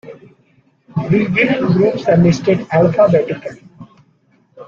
Regional groups are listed alphabetically.